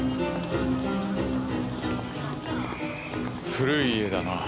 古い家だなぁ。